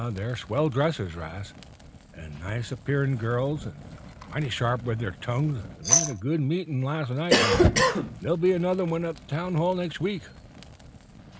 "They're swell dressers, 'Rast, an' nice appearin' girls, and mighty sharp with their tongues. They had a good meetin' last night and there'll be another at the town hall next week."